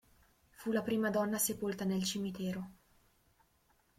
Fu la prima donna sepolta nel cimitero.